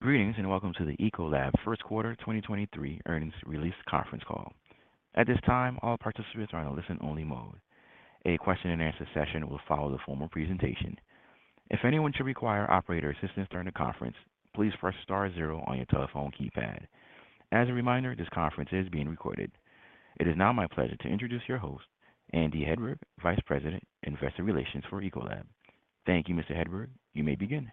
Greetings, and welcome to the Ecolab First Quarter 2023 Earnings Release Conference Call. At this time, all participants are in a listen-only mode. A question-and-answer session will follow the formal presentation. If anyone should require operator assistance during the conference, please press star zero on your telephone keypad. As a reminder, this conference is being recorded. It is now my pleasure to introduce your host, Andy Hedberg, Vice President, Investor Relations for Ecolab. Thank you, Mr. Hedberg. You may begin.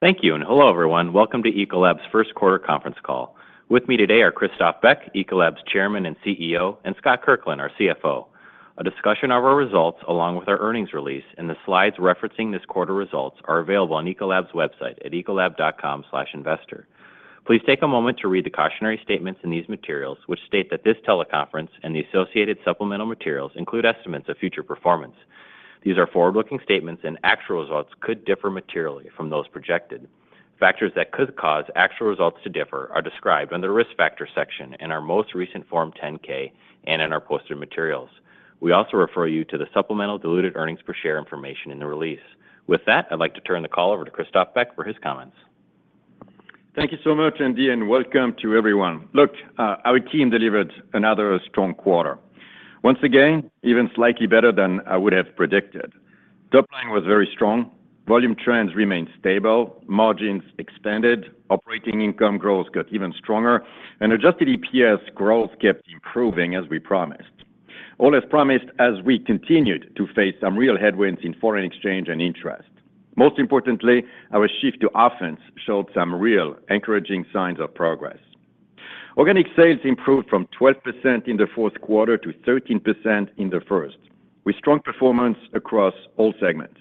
Thank you, and hello, everyone. Welcome to Ecolab's first quarter conference call. With me today are Christophe Beck, Ecolab's Chairman and CEO, and Scott Kirkland, our CFO. A discussion of our results along with our earnings release and the slides referencing this quarter results are available on Ecolab's website at ecolab.com/investor. Please take a moment to read the cautionary statements in these materials, which state that this teleconference and the associated supplemental materials include estimates of future performance. These are forward-looking statements and actual results could differ materially from those projected. Factors that could cause actual results to differ are described under the Risk Factors section in our most recent Form 10-K and in our posted materials. We also refer you to the supplemental diluted earnings per share information in the release. With that, I'd like to turn the call over to Christophe Beck for his comments. Thank you so much, Andy, and welcome to everyone. Look, our team delivered another strong quarter. Once again, even slightly better than I would have predicted. Top line was very strong, volume trends remained stable, margins expanded, operating income growth got even stronger, and adjusted EPS growth kept improving as we promised. All as promised as we continued to face some real headwinds in foreign exchange and interest. Most importantly, our shift to offense showed some real encouraging signs of progress. Organic sales improved from 12% in the fourth quarter to 13% in the first, with strong performance across all segments.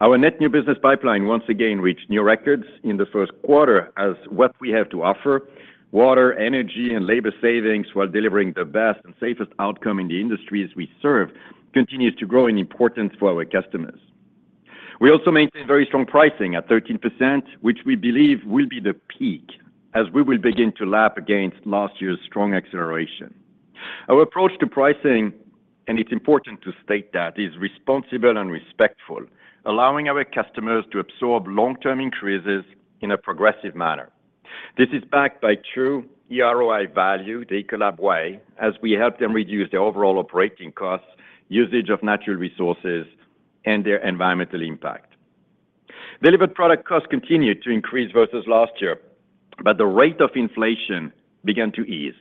Our net new business pipeline once again reached new records in the first quarter as what we have to offer, water, energy, and labor savings while delivering the best and safest outcome in the industries we serve continues to grow in importance for our customers. We also maintain very strong pricing at 13%, which we believe will be the peak as we will begin to lap against last year's strong acceleration. Our approach to pricing, and it's important to state that, is responsible and respectful, allowing our customers to absorb long-term increases in a progressive manner. This is backed by true eROI value, the Ecolab way, as we help them reduce their overall operating costs, usage of natural resources, and their environmental impact. Delivered product costs continued to increase versus last year. The rate of inflation began to ease.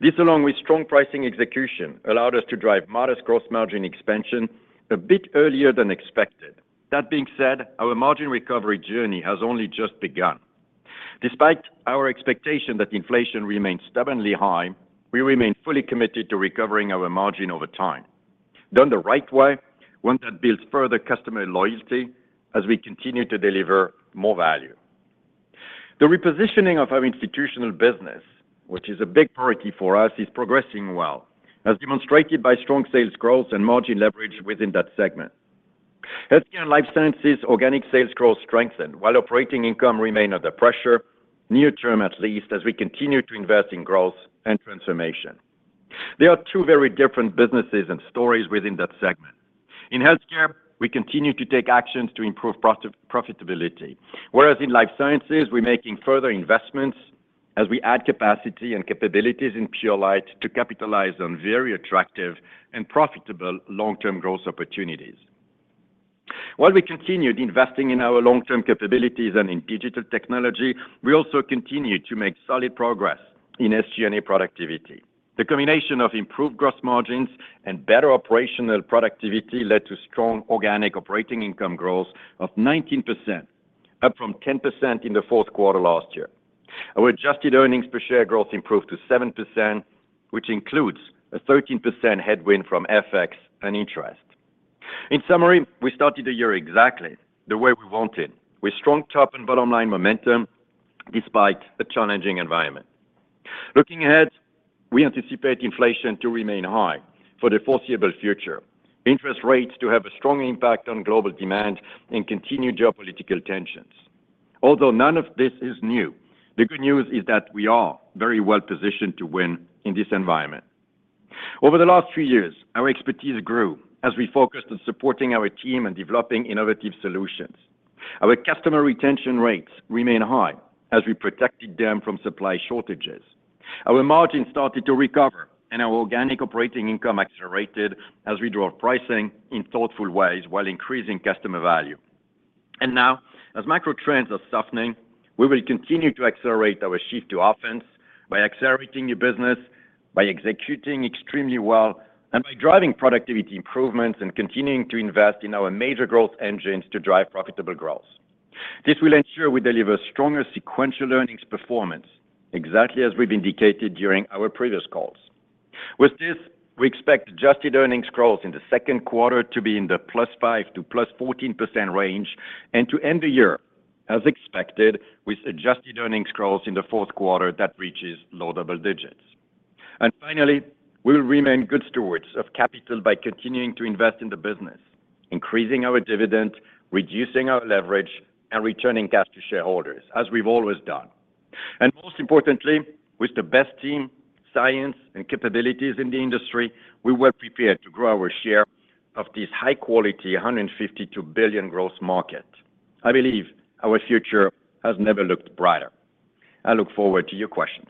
This, along with strong pricing execution, allowed us to drive modest gross margin expansion a bit earlier than expected. That being said, our margin recovery journey has only just begun. Despite our expectation that inflation remains stubbornly high, we remain fully committed to recovering our margin over time. Done the right way, one that builds further customer loyalty as we continue to deliver more value. The repositioning of our institutional business, which is a big priority for us, is progressing well, as demonstrated by strong sales growth and margin leverage within that segment. Healthcare and life sciences organic sales growth strengthened, while operating income remained under pressure, near term at least, as we continue to invest in growth and transformation. There are two very different businesses and stories within that segment. In healthcare, we continue to take actions to improve profitability, whereas in life sciences, we're making further investments as we add capacity and capabilities in Purolite to capitalize on very attractive and profitable long-term growth opportunities. While we continued investing in our long-term capabilities and in digital technology, we also continued to make solid progress in SG&A productivity. The combination of improved gross margins and better operational productivity led to strong organic operating income growth of 19%, up from 10% in the fourth quarter last year. Our adjusted earnings per share growth improved to 7%, which includes a 13% headwind from FX and interest. In summary, we started the year exactly the way we wanted, with strong top and bottom line momentum despite a challenging environment. Looking ahead, we anticipate inflation to remain high for the foreseeable future, interest rates to have a strong impact on global demand and continued geopolitical tensions. Although none of this is new, the good news is that we are very well positioned to win in this environment. Over the last few years, our expertise grew as we focused on supporting our team and developing innovative solutions. Our customer retention rates remain high as we protected them from supply shortages. Our margins started to recover and our organic operating income accelerated as we drove pricing in thoughtful ways while increasing customer value. Now, as macro trends are softening, we will continue to accelerate our shift to offense by accelerating new business, by executing extremely well, and by driving productivity improvements and continuing to invest in our major growth engines to drive profitable growth. This will ensure we deliver stronger sequential earnings performance, exactly as we've indicated during our previous calls. With this, we expect adjusted earnings growth in the second quarter to be in the +5% to +14% range, and to end the year, as expected, with adjusted earnings growth in the fourth quarter that reaches low double digits. Finally, we will remain good stewards of capital by continuing to invest in the business, increasing our dividend, reducing our leverage, and returning cash to shareholders, as we've always done. Most importantly, with the best team, science, and capabilities in the industry, we well prepared to grow our share of this high quality $152 billion growth market. I believe our future has never looked brighter. I look forward to your questions.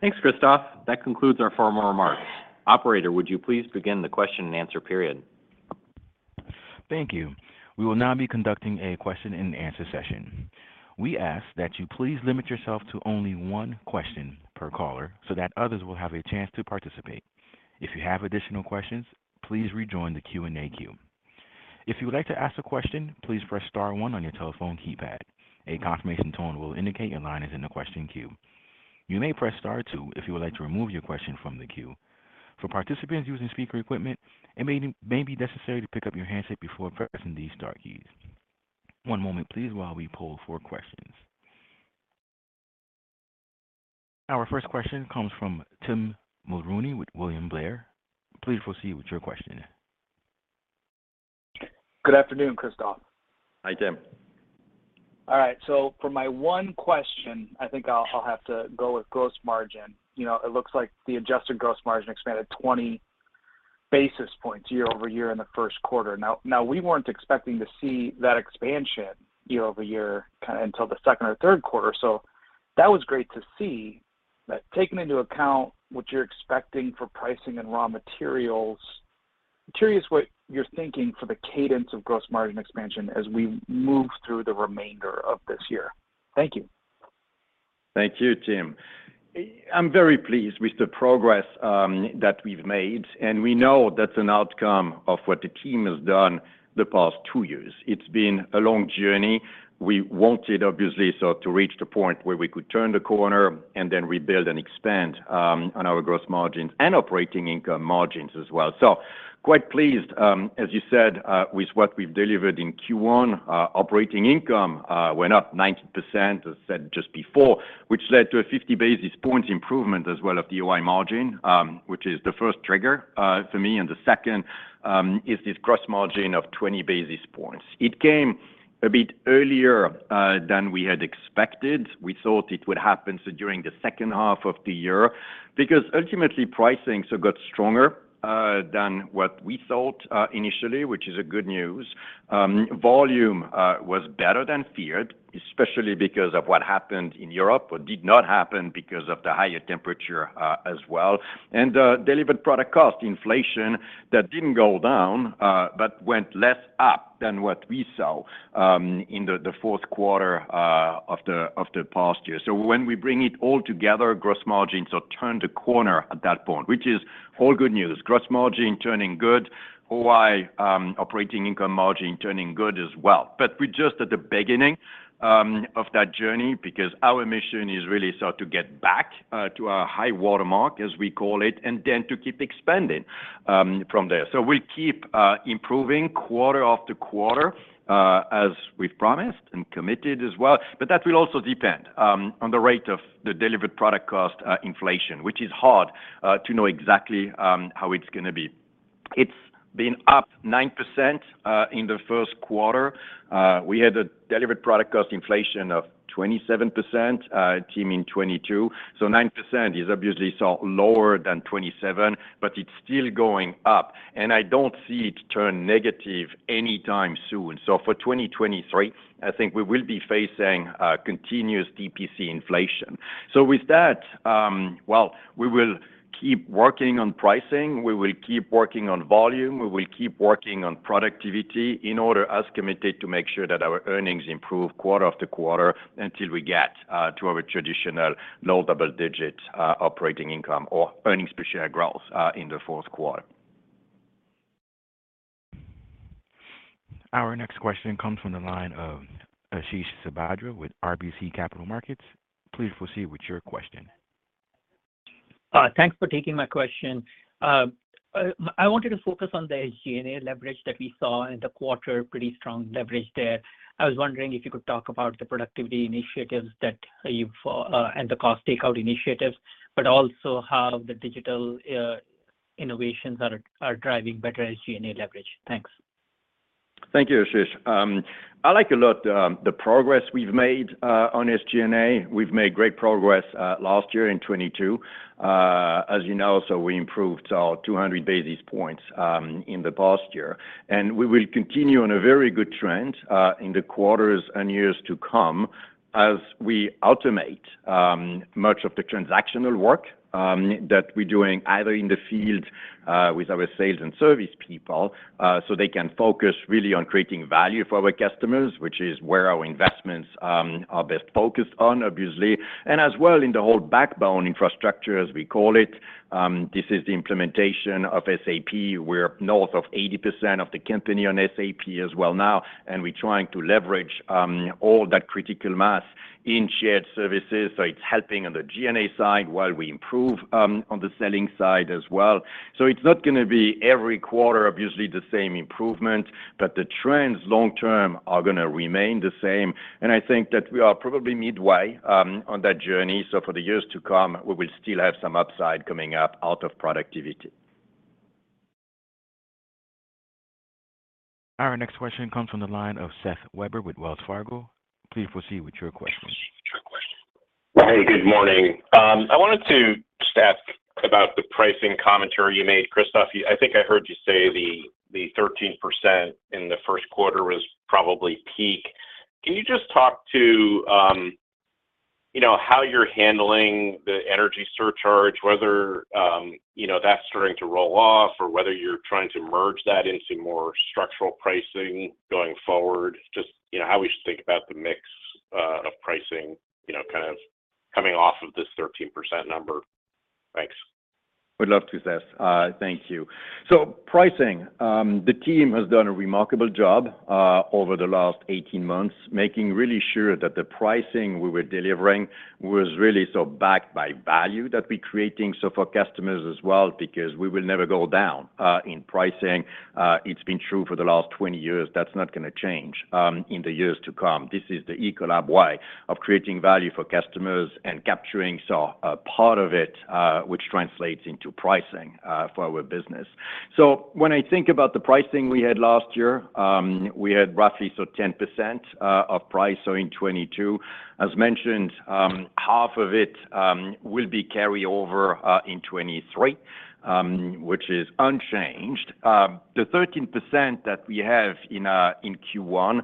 Thanks, Christophe. That concludes our formal remarks. Operator, would you please begin the question and answer period? Thank you. We will now be conducting a question and answer session. We ask that you please limit yourself to only one question per caller so that others will have a chance to participate. If you have additional questions, please rejoin the Q&A queue. If you would like to ask a question, please press star one on your telephone keypad. A confirmation tone will indicate your line is in the question queue. You may press star two if you would like to remove your question from the queue. For participants using speaker equipment, it may be necessary to pick up your handset before pressing these star keys. One moment, please, while we poll for questions. Our first question comes from Tim Mulrooney with William Blair. Please proceed with your question. Good afternoon, Christophe. Hi, Tim. All right. For my one question, I think I'll have to go with gross margin. You know, it looks like the adjusted gross margin expanded 20 basis points year-over-year in the first quarter. Now we weren't expecting to see that expansion year-over-year until the second or third quarter, so that was great to see. Taking into account what you're expecting for pricing and raw materials, I'm curious what you're thinking for the cadence of gross margin expansion as we move through the remainder of this year. Thank you. Thank you, Tim. I'm very pleased with the progress that we've made. We know that's an outcome of what the team has done the past two years. It's been a long journey. We wanted, obviously, to reach the point where we could turn the corner and then rebuild and expand on our gross margins and operating income margins as well. Quite pleased, as you said, with what we've delivered in Q1. Our operating income went up 90%, as said just before, which led to a 50 basis points improvement as well of the OI margin, which is the first trigger for me. The second is this gross margin of 20 basis points. It came a bit earlier than we had expected. We thought it would happen so during the second half of the year, because ultimately pricing so got stronger, than what we thought, initially, which is a good news. Volume was better than feared, especially because of what happened in Europe, or did not happen because of the higher temperature, as well. Delivered product cost inflation that didn't go down, but went less up than what we saw in the fourth quarter, of the, of the past year. When we bring it all together, gross margins have turned a corner at that point, which is all good news. Gross margin turning good. OI, operating income margin turning good as well. We're just at the beginning of that journey because our mission is really so to get back to our high watermark, as we call it, and then to keep expanding from there. We'll keep improving quarter after quarter as we've promised and committed as well. That will also depend on the rate of the delivered product cost inflation, which is hard to know exactly how it's gonna be. It's been up 9% in the first quarter. We had a delivered product cost inflation of 27% teaming 2022. 9% is obviously so lower than 27, but it's still going up, and I don't see it turn negative anytime soon. For 2023, I think we will be facing a continuous DPC inflation. With that, well, we will keep working on pricing, we will keep working on volume, we will keep working on productivity in order, as committed, to make sure that our earnings improve quarter after quarter until we get to our traditional low double-digit operating income or earnings per share growth in the fourth quarter. Our next question comes from the line of Ashish Sabadra with RBC Capital Markets. Please proceed with your question. Thanks for taking my question. I wanted to focus on the SG&A leverage that we saw in the quarter, pretty strong leverage there. I was wondering if you could talk about the productivity initiatives that you and the cost takeout initiatives, but also how the digital innovations are driving better SG&A leverage. Thanks. Thank you, Ashish. I like a lot the progress we've made on SG&A. We've made great progress last year in 2022. As you know, we improved 200 basis points in the past year. We will continue on a very good trend in the quarters and years to come as we automate much of the transactional work that we're doing either in the field with our sales and service people, so they can focus really on creating value for our customers, which is where our investments are best focused on, obviously. As well in the whole backbone infrastructure, as we call it. This is the implementation of SAP. We're north of 80% of the company on SAP as well now. We're trying to leverage all that critical mass in shared services, so it's helping on the G&A side while we improve on the selling side as well. It's not gonna be every quarter obviously the same improvement, but the trends long term are gonna remain the same. I think that we are probably midway on that journey. For the years to come, we will still have some upside coming up out of productivity. Our next question comes from the line of Seth Weber with Wells Fargo. Please proceed with your question. Hey, good morning. I wanted to just ask about the pricing commentary you made, Christophe. I think I heard you say the 13% in the first quarter was probably peak. Can you just talk to, you know, how you're handling the energy surcharge, whether, you know, that's starting to roll off, or whether you're trying to merge that into more structural pricing going forward? Just, you know, how we should think about the mix of pricing, you know, kind of coming off of this 13% number. Thanks. Would love to, Seth Weber. Thank you. Pricing, the team has done a remarkable job over the last 18 months, making really sure that the pricing we were delivering was really backed by value that we're creating for customers as well, because we will never go down in pricing. It's been true for the last 20 years. That's not gonna change in the years to come. This is the Ecolab way of creating value for customers and capturing. A part of it, which translates into pricing for our business. When I think about the pricing we had last year, we had roughly 10% of price. In 2022, as mentioned, half of it will be carry over in 2023, which is unchanged. The 13% that we have in Q1,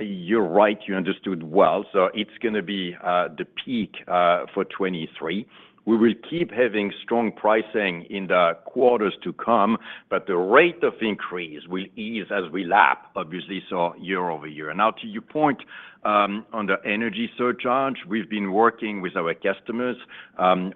you're right, you understood well. It's gonna be the peak for 2023. We will keep having strong pricing in the quarters to come, but the rate of increase will ease as we lap, obviously, year-over-year. To your point on the energy surcharge, we've been working with our customers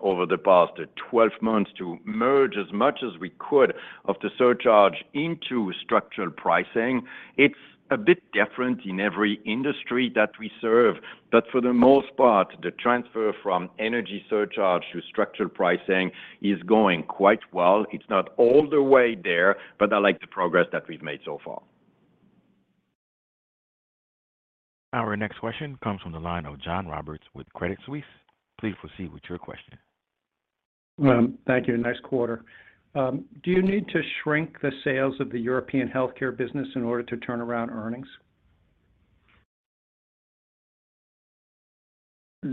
over the past 12 months to merge as much as we could of the surcharge into structural pricing. It's a bit different in every industry that we serve, but for the most part, the transfer from energy surcharge to structural pricing is going quite well. It's not all the way there, but I like the progress that we've made so far. Our next question comes from the line of John Roberts with Credit Suisse. Please proceed with your question. Thank you. Nice quarter. Do you need to shrink the sales of the European healthcare business in order to turn around earnings?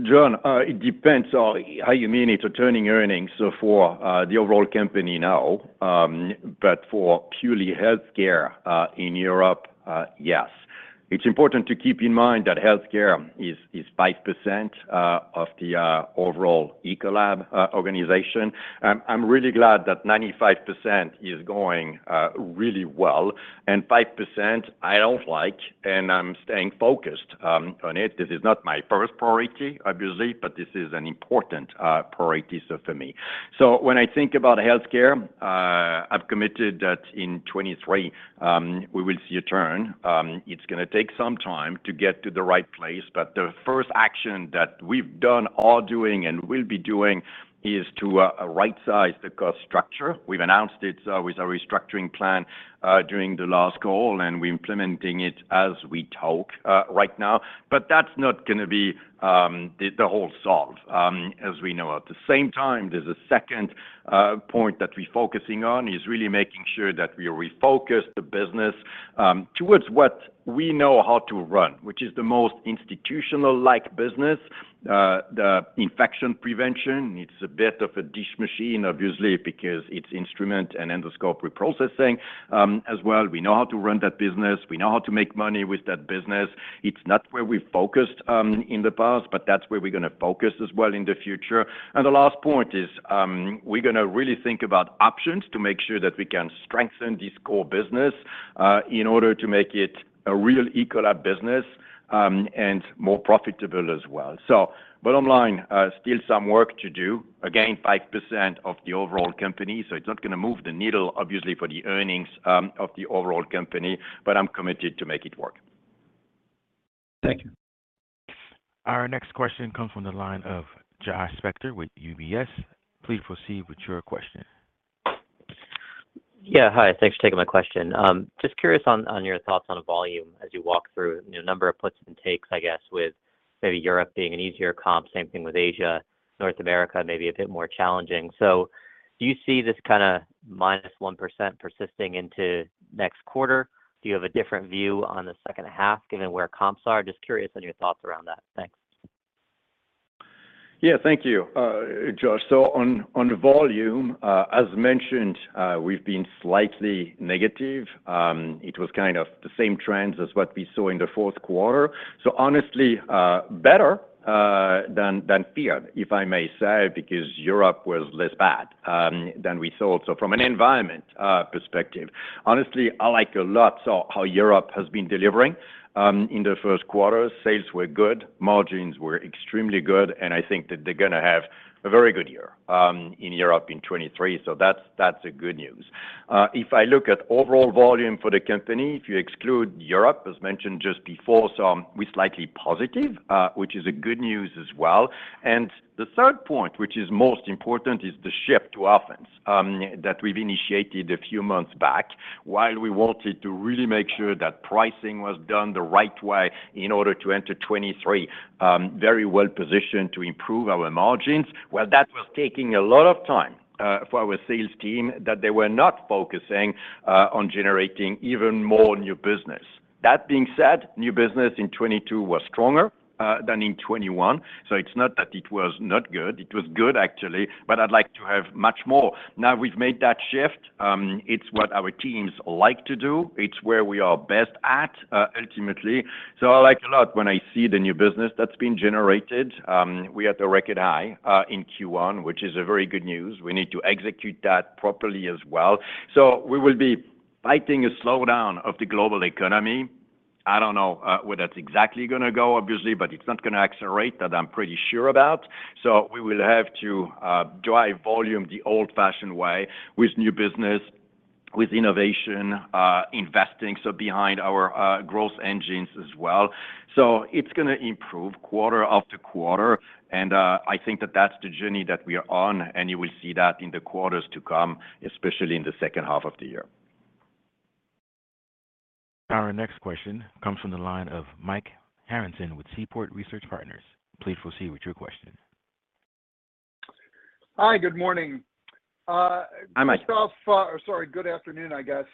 John, it depends on how you mean it, turning earnings for the overall company now. But for purely healthcare in Europe, yes. It's important to keep in mind that healthcare is 5% of the overall Ecolab organization. I'm really glad that 95% is going really well, and 5% I don't like, and I'm staying focused on it. This is not my first priority, obviously, but this is an important priority for me. When I think about healthcare, I've committed that in 2023, we will see a turn. It's gonna take some time to get to the right place, but the first action that we've done, are doing, and will be doing is to rightsize the cost structure. We've announced it with our restructuring plan during the last call, and we're implementing it as we talk right now. That's not gonna be the whole solve as we know. The same time, there's a second point that we're focusing on, is really making sure that we refocus the business towards what we know how to run, which is the most institutional-like business. The infection prevention, it's a bit of a dish machine, obviously, because it's instrument and endoscope reprocessing as well. We know how to run that business. We know how to make money with that business. It's not where we focused in the past, but that's where we're gonna focus as well in the future. The last point is, we're going to really think about options to make sure that we can strengthen this core business in order to make it a real Ecolab business and more profitable as well. Bottom line, still some work to do. Again, 5% of the overall company, it's not going to move the needle obviously for the earnings of the overall company, but I'm committed to make it work. Thank you. Our next question comes from the line of Josh Spector with UBS. Please proceed with your question. Yeah, hi. Thanks for taking my question. Just curious on your thoughts on volume as you walk through. You know, a number of puts and takes, I guess, with maybe Europe being an easier comp, same thing with Asia. North America may be a bit more challenging. Do you see this kind of -1% persisting into next quarter? Do you have a different view on the second half given where comps are? Just curious on your thoughts around that. Thanks. Yeah, thank you, Josh. On, on volume, as mentioned, we've been slightly negative. It was kind of the same trends as what we saw in the fourth quarter. Honestly, better than feared, if I may say, because Europe was less bad than we thought. From an environment perspective, honestly, I like a lot so how Europe has been delivering in the first quarter. Sales were good, margins were extremely good, and I think that they're gonna have a very good year in Europe in 2023. That's, that's a good news. If I look at overall volume for the company, if you exclude Europe, as mentioned just before, so we're slightly positive, which is a good news as well. The third point, which is most important, is the shift to offense that we've initiated a few months back. While we wanted to really make sure that pricing was done the right way in order to enter 2023, very well positioned to improve our margins. Well, that was taking a lot of time for our sales team that they were not focusing on generating even more new business. That being said, new business in 2022 was stronger than in 2021. It's not that it was not good. It was good, actually, but I'd like to have much more. Now we've made that shift. It's what our teams like to do. It's where we are best at ultimately. I like a lot when I see the new business that's been generated. We had a record high in Q1, which is a very good news. We need to execute that properly as well. We will be fighting a slowdown of the global economy. I don't know, where that's exactly gonna go, obviously, but it's not gonna accelerate, that I'm pretty sure about. We will have to drive volume the old-fashioned way with new business, with innovation, investing so behind our growth engines as well. It's gonna improve quarter after quarter, and I think that that's the journey that we are on, and you will see that in the quarters to come, especially in the second half of the year. Our next question comes from the line of Michael Harrison with Seaport Research Partners. Please proceed with your question. Hi, good morning. Hi, Mike. Sorry, good afternoon, I guess.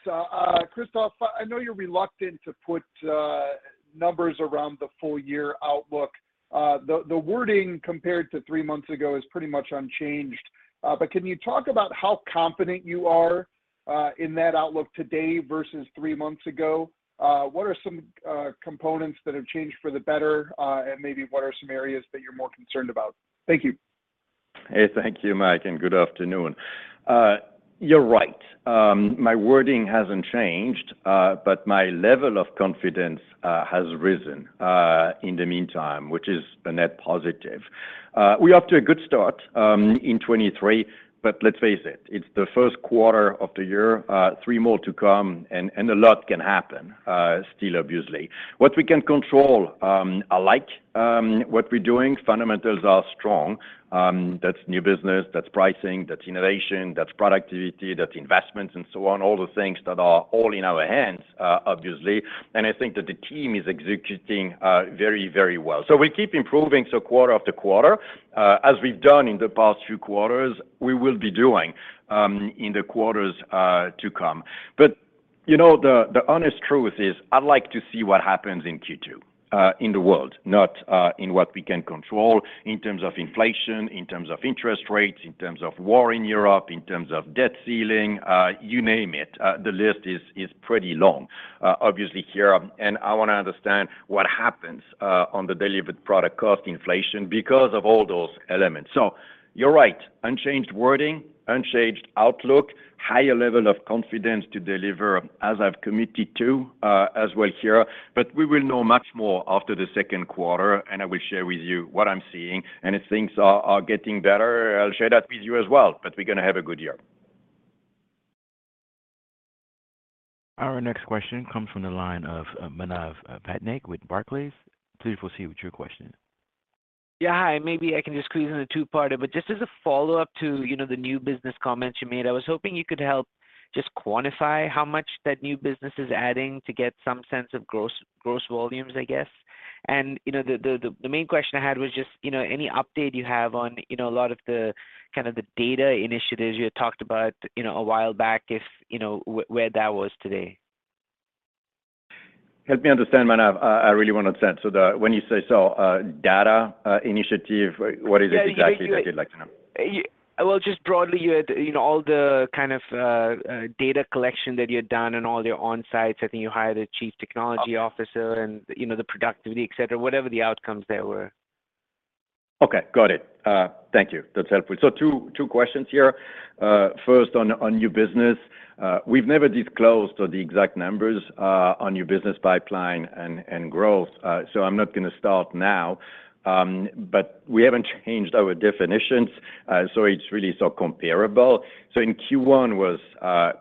Christophe, I know you're reluctant to put numbers around the full year outlook. The wording compared to three months ago is pretty much unchanged, but can you talk about how confident you are in that outlook today versus three months ago? What are some components that have changed for the better, and maybe what are some areas that you're more concerned about? Thank you. Hey, thank you, Mike. Good afternoon. You're right. My wording hasn't changed, my level of confidence has risen in the meantime, which is a net positive. We're off to a good start in 2023, let's face it's the first quarter of the year, three more to come and a lot can happen still obviously. What we can control, I like what we're doing. Fundamentals are strong, that's new business, that's pricing, that's innovation, that's productivity, that's investments and so on, all the things that are all in our hands obviously, I think that the team is executing very, very well. We keep improving, so quarter after quarter, as we've done in the past few quarters, we will be doing in the quarters to come. You know, the honest truth is I'd like to see what happens in Q2 in the world, not in what we can control in terms of inflation, in terms of interest rates, in terms of war in Europe, in terms of debt ceiling, you name it. The list is pretty long obviously here, and I wanna understand what happens on the delivered product cost inflation because of all those elements. You're right. Unchanged wording, unchanged outlook, higher level of confidence to deliver as I've committed to as well here, we will know much more after the second quarter, I will share with you what I'm seeing, and if things are getting better, I'll share that with you as well, we're gonna have a good year. Our next question comes from the line of Manav Patnaik with Barclays. Please proceed with your question. Yeah, hi. Maybe I can just squeeze in a two-parter, but just as a follow-up to, you know, the new business comments you made, I was hoping you could help just quantify how much that new business is adding to get some sense of gross volumes, I guess. You know, the main question I had was just, you know, any update you have on, you know, a lot of the kind of the data initiatives you had talked about, you know, a while back if you know where that was today? Help me understand, Manav. I really want to understand. When you say so, data initiative, what is it exactly that you'd like to know? Yeah, you. Well, just broadly, you had, you know, all the kind of data collection that you've done and all your on-sites. I think you hired a chief technology officer and, you know, the productivity, et cetera, whatever the outcomes there were. Okay, got it. Thank you. That's helpful. Two questions here. First on new business. We've never disclosed the exact numbers on new business pipeline and growth, so I'm not going to start now. But we haven't changed our definitions, so it's really comparable. Q1 was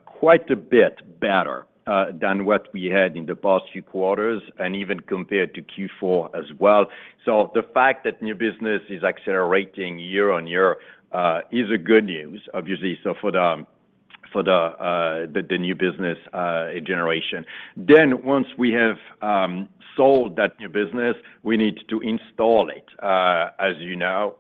quite a bit better than what we had in the past few quarters and even compared to Q4 as well. The fact that new business is accelerating year-on-year is good news, obviously. For the new business generation, then once we have sold that new business, we need to install it, as you know.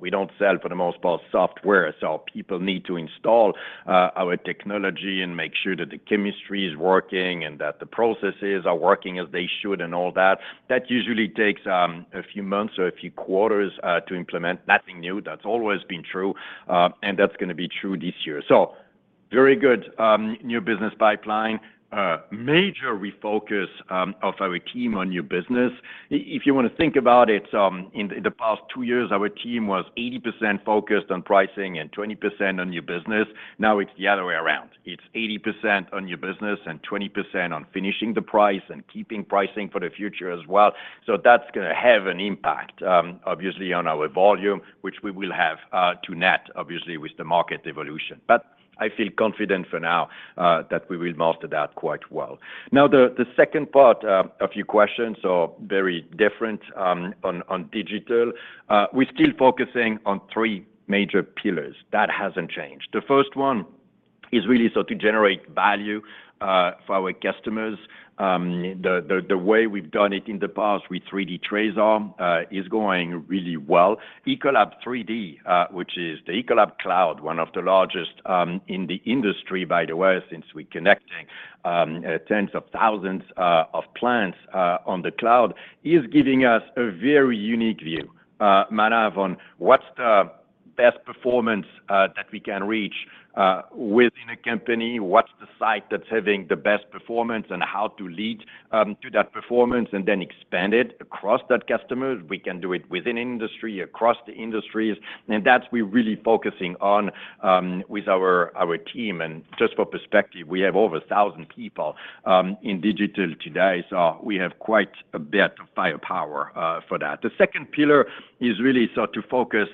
We don't sell, for the most part, software, so people need to install our technology and make sure that the chemistry is working and that the processes are working as they should and all that. That usually takes a few months or a few quarters to implement. Nothing new. That's always been true, and that's gonna be true this year. Very good new business pipeline. A major refocus of our team on new business. If you wanna think about it, in the past 2 years, our team was 80% focused on pricing and 20% on new business. Now it's the other way around. It's 80% on new business and 20% on finishing the price and keeping pricing for the future as well. That's gonna have an impact, obviously, on our volume, which we will have to net obviously with the market evolution. I feel confident for now, that we will master that quite well. The second part of your question, very different, on digital. We're still focusing on three major pillars. That hasn't changed. The first one is really so to generate value for our customers. The way we've done it in the past with 3D TRASAR is going really well. Ecolab3D, which is the Ecolab cloud, one of the largest in the industry, by the way, since we're connecting tens of thousands of plants on the cloud, is giving us a very unique view, Manav, on what's the best performance that we can reach within a company. What's the site that's having the best performance and how to lead to that performance and then expand it across that customer. We can do it within industry, across the industries, and that's we're really focusing on with our team. Just for perspective, we have over 1,000 people in digital today, so we have quite a bit of firepower for that. The second pillar is really so to focus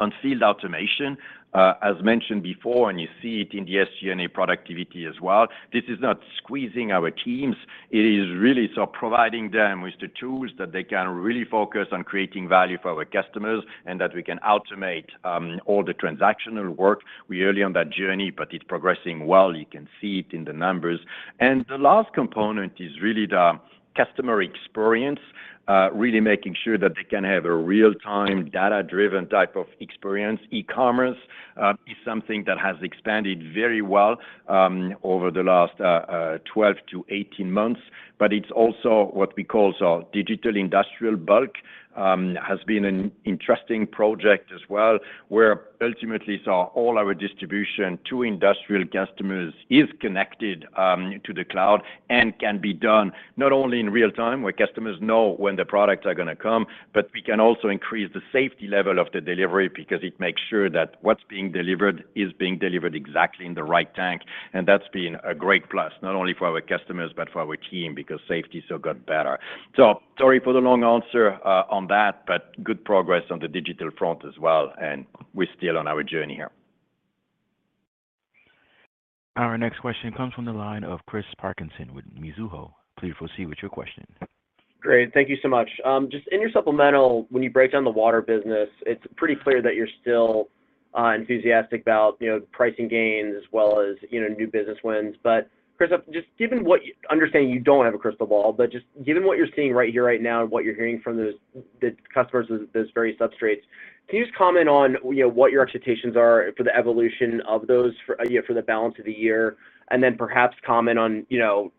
on field automation. As mentioned before, and you see it in the SG&A productivity as well. This is not squeezing our teams. It is really so providing them with the tools that they can really focus on creating value for our customers and that we can automate all the transactional work. We're early on that journey, but it's progressing well. You can see it in the numbers. The last component is really the customer experience. Really making sure that they can have a real-time data-driven type of experience. E-commerce is something that has expanded very well over the last 12 to 18 months, but it's also what we call so digital industrial bulk has been an interesting project as well, where ultimately saw all our distribution to industrial customers is connected to the cloud and can be done not only in real time, where customers know when the products are gonna come, but we can also increase the safety level of the delivery because it makes sure that what's being delivered is being delivered exactly in the right tank. That's been a great plus, not only for our customers, but for our team, because safety still got better. Sorry for the long answer on that, but good progress on the digital front as well, and we're still on our journey here. Our next question comes from the line of Chris Parkinson with Mizuho. Please proceed with your question. Great. Thank you so much. Just in your supplemental, when you break down the water business, it's pretty clear that you're still enthusiastic about, you know, pricing gains as well as, you know, new business wins. Chris, just given understanding you don't have a crystal ball, but just given what you're seeing right here right now and what you're hearing from the customers with those various substrates, can you just comment on, you know, what your expectations are for the evolution of those for, you know, for the balance of the year? Then perhaps comment on, you know,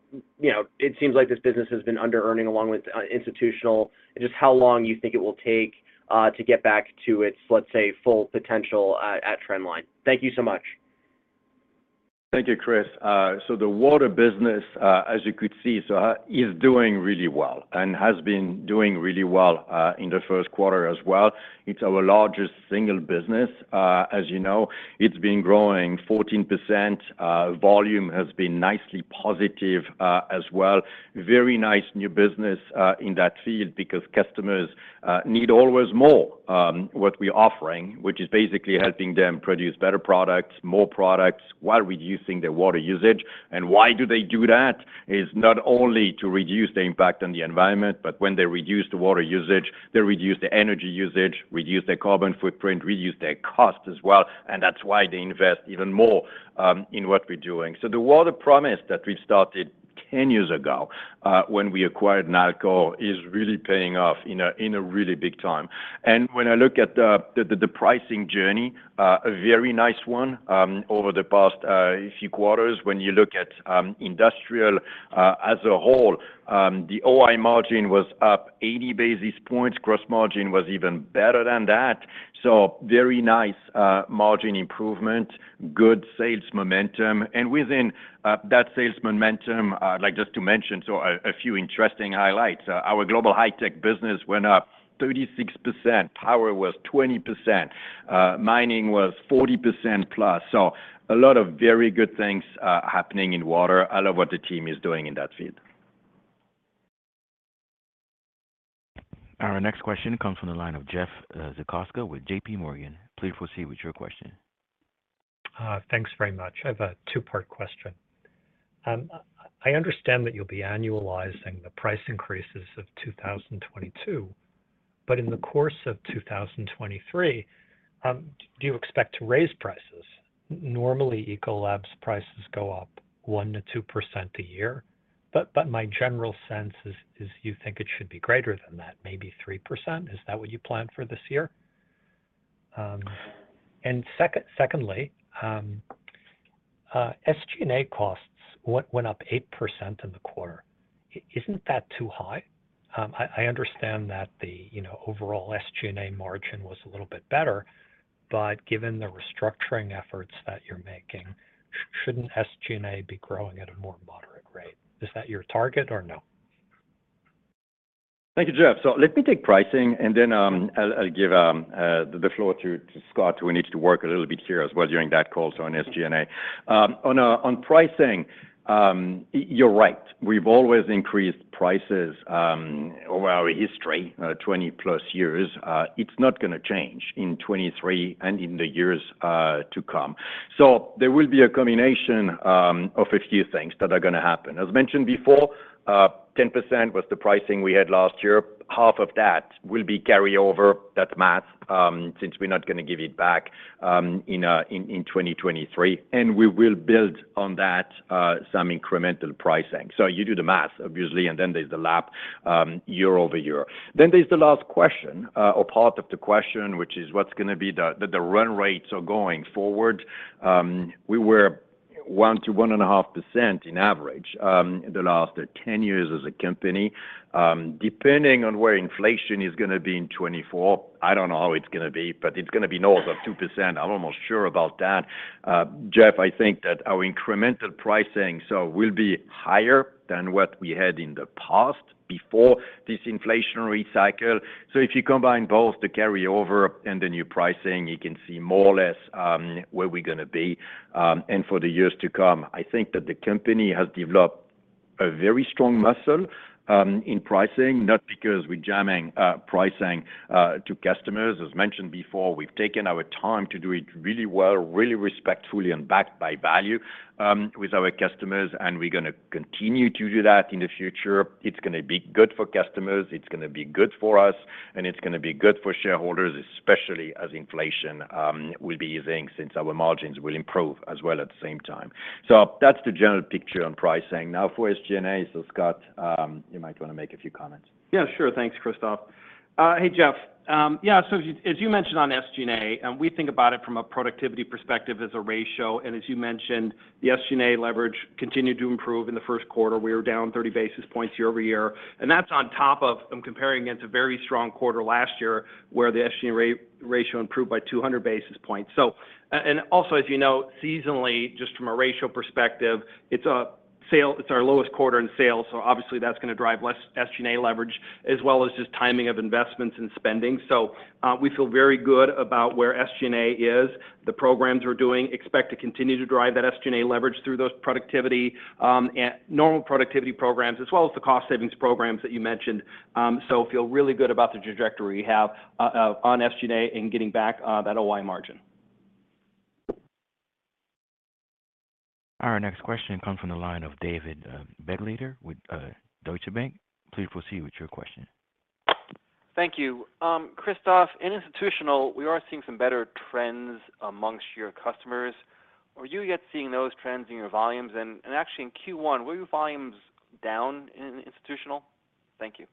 it seems like this business has been under-earning along with institutional and just how long you think it will take to get back to its, let's say, full potential at trend line? Thank you so much. Thank you, Chris. The water business, as you could see, is doing really well and has been doing really well, in the first quarter as well. It's our largest single business. As you know, it's been growing 14%. Volume has been nicely positive, as well. Very nice new business, in that field because customers need always more what we're offering, which is basically helping them produce better products, more products while reducing their water usage. Why do they do that? Is not only to reduce the impact on the environment, but when they reduce the water usage, they reduce the energy usage, reduce their carbon footprint, reduce their cost as well, and that's why they invest even more in what we're doing. The water promise that we started 10 years ago, when we acquired Nalco, is really paying off in a really big time. When I look at the pricing journey, a very nice one, over the past few quarters. When you look at industrial as a whole, the OI margin was up 80 basis points. Gross margin was even better than that. Very nice margin improvement, good sales momentum. Within that sales momentum, like just to mention, a few interesting highlights. Our global high-tech business went up 36%. Power was 20%. Mining was 40% plus. A lot of very good things happening in water. I love what the team is doing in that field. Our next question comes from the line of Jeff Zekauskas with J.P. Morgan. Please proceed with your question. Thanks very much. I have a two-part question. I understand that you'll be annualizing the price increases of 2022, but in the course of 2023, do you expect to raise prices? Normally, Ecolab's prices go up 1%-2% a year, but my general sense is, you think it should be greater than that, maybe 3%. Is that what you planned for this year? Secondly, SG&A costs went up 8% in the quarter. Isn't that too high? I understand that the, you know, overall SG&A margin was a little bit better, but given the restructuring efforts that you're making, shouldn't SG&A be growing at a more moderate rate? Is that your target or no? Thank you, Jeff. Let me take pricing and then, I'll give the floor to Scott, who needs to work a little bit here as well during that call. On SG&A. On pricing, you're right. We've always increased prices over our history, 20+ years. It's not gonna change in 2023 and in the years to come. There will be a combination of a few things that are gonna happen. As mentioned before, 10% was the pricing we had last year. Half of that will be carry over. That's math, since we're not gonna give it back in 2023. We will build on that some incremental pricing. You do the math obviously, and then there's the lap year-over-year. There's the last question, or part of the question, which is what's gonna be the run rates are going forward. We were 1 to 1.5% in average in the last 10 years as a company. Depending on where inflation is gonna be in 2024, I don't know how it's gonna be, but it's gonna be north of 2%. I'm almost sure about that. Jeff, I think that our incremental pricing so will be higher than what we had in the past before this inflationary cycle. If you combine both the carryover and the new pricing, you can see more or less where we're gonna be and for the years to come. I think that the company has developed a very strong muscle in pricing, not because we're jamming pricing to customers. As mentioned before, we've taken our time to do it really well, really respectfully and backed by value with our customers, and we're gonna continue to do that in the future. It's gonna be good for customers, it's gonna be good for us, and it's gonna be good for shareholders, especially as inflation will be easing since our margins will improve as well at the same time. That's the general picture on pricing. Now for SG&A. Scott, you might wanna make a few comments. Sure. Thanks, Christophe. Hey, Jeff. As you mentioned on SG&A, we think about it from a productivity perspective as a ratio. As you mentioned, the SG&A leverage continued to improve in the first quarter. We were down 30 basis points year-over-year. That's on top of them comparing it to very strong quarter last year, where the SG&A ratio improved by 200 basis points. Also, as you know, seasonally, just from a ratio perspective, it's our lowest quarter in sales. Obviously that's gonna drive less SG&A leverage as well as just timing of investments and spending. We feel very good about where SG&A is. The programs we're doing expect to continue to drive that SG&A leverage through those productivity, normal productivity programs as well as the cost savings programs that you mentioned. Feel really good about the trajectory we have on SG&A and getting back that OI margin. Our next question comes from the line of David Begleiter with Deutsche Bank. Please proceed with your question. Thank you. Christophe, in institutional, we are seeing some better trends amongst your customers. Are you yet seeing those trends in your volumes? Actually in Q1, were your volumes down in institutional? Thank you.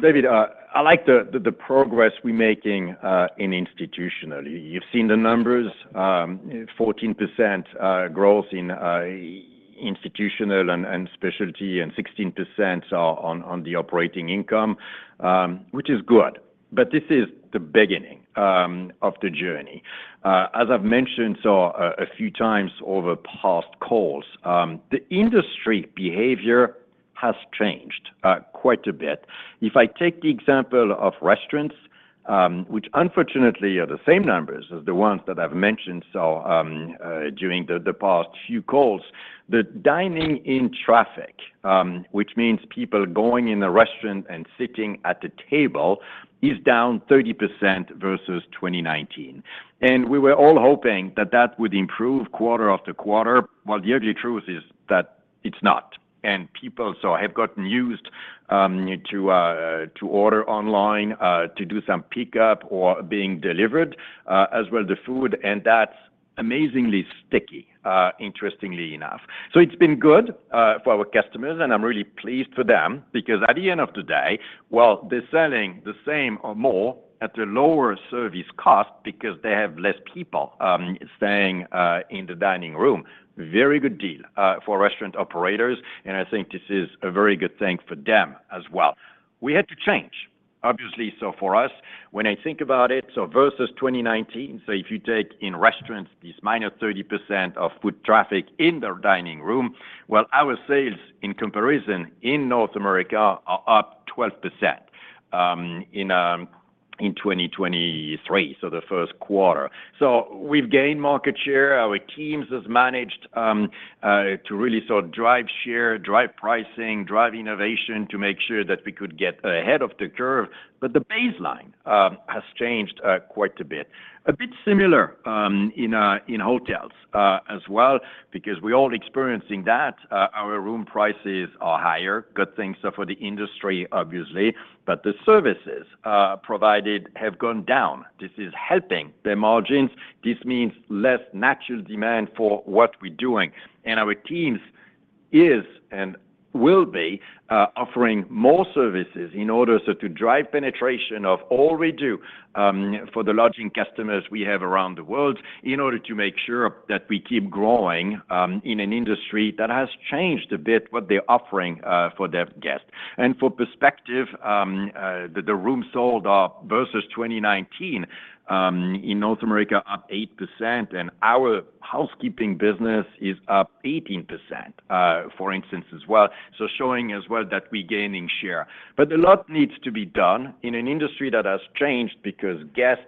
David, I like the progress we're making in institutional. You've seen the numbers, 14% growth in institutional and specialty and 16% on the operating income, which is good. This is the beginning of the journey. As I've mentioned a few times over past calls, the industry behavior has changed quite a bit. If I take the example of restaurants, which unfortunately are the same numbers as the ones that I've mentioned during the past few calls, the dining in traffic, which means people going in a restaurant and sitting at the table is down 30% versus 2019. We were all hoping that that would improve quarter after quarter, while the ugly truth is that it's not. People have gotten used to order online, to do some pickup or being delivered as well the food, and that's amazingly sticky, interestingly enough. It's been good for our customers, and I'm really pleased for them because at the end of the day, while they're selling the same or more at a lower service cost because they have less people staying in the dining room. Very good deal for restaurant operators, and I think this is a very good thing for them as well. We had to change, obviously. For us, when I think about it, versus 2019, if you take in restaurants this -30% of food traffic in their dining room, well, our sales in comparison in North America are up 12% in 2023, the first quarter. We've gained market share. Our teams has managed to really sort of drive share, drive pricing, drive innovation to make sure that we could get ahead of the curve. The baseline has changed quite a bit. A bit similar in hotels as well, because we're all experiencing that our room prices are higher. Good things for the industry, obviously. The services provided have gone down. This is helping the margins. This means less natural demand for what we're doing. Our teams is and will be offering more services in order so to drive penetration of all we do for the lodging customers we have around the world in order to make sure that we keep growing in an industry that has changed a bit what they're offering for their guests. For perspective, the rooms sold are versus 2019 in North America up 8%, and our housekeeping business is up 18% for instance as well. Showing as well that we're gaining share. A lot needs to be done in an industry that has changed because guests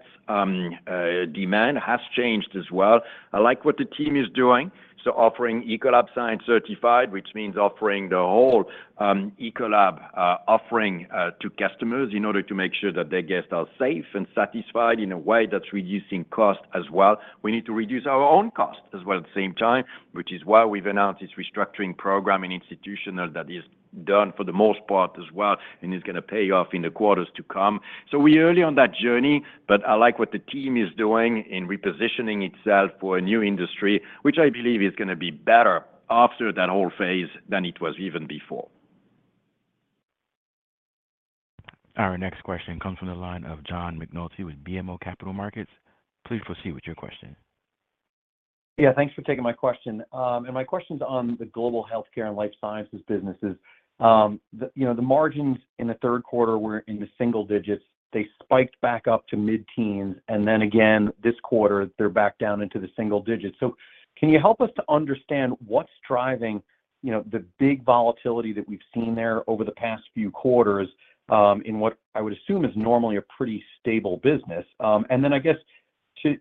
demand has changed as well. I like what the team is doing, so offering Ecolab Science Certified, which means offering the whole Ecolab offering to customers in order to make sure that their guests are safe and satisfied in a way that's reducing cost as well. We need to reduce our own cost as well at the same time, which is why we've announced this restructuring program in institutional that is done for the most part as well and is gonna pay off in the quarters to come. We're early on that journey, but I like what the team is doing in repositioning itself for a new industry, which I believe is gonna be better after that whole phase than it was even before. Our next question comes from the line of John McNulty with BMO Capital Markets. Please proceed with your question. Yeah, thanks for taking my question. my question's on the global Healthcare and Life Sciences businesses. the, you know, the margins in the 3rd quarter were in the single digits. They spiked back up to mid-teens, and then again this quarter they're back down into the single digits. Can you help us to understand what's driving, you know, the big volatility that we've seen there over the past few quarters, in what I would assume is normally a pretty stable business? I guess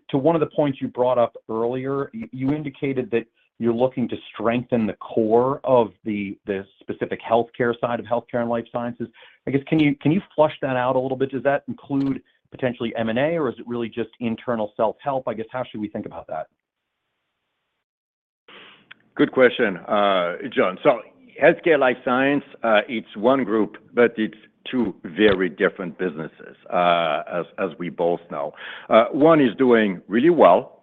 to one of the points you brought up earlier, you indicated that you're looking to strengthen the core of the specific healthcare side of Healthcare and Life Sciences. I guess, can you, can you flush that out a little bit? Does that include potentially M&A, or is it really just internal self-help? I guess, how should we think about that? Good question, John. Healthcare life science, it's one group, but it's two very different businesses, as we both know. One is doing really well,